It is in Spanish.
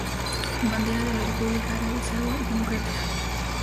Bandera de la República Árabe Saharaui Democrática